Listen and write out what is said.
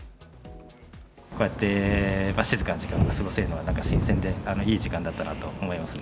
こうやって静かな時間が過ごせるのは新鮮で、いい時間だったなと思いますね。